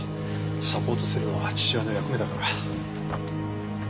サポートするのは父親の役目だから。